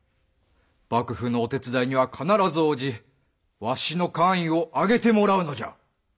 幕府の御手伝いには必ず応じわしの官位を上げてもらうのじゃ！